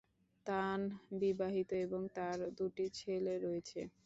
তান বিবাহিত এবং তার দুটি ছেলে রয়েছে।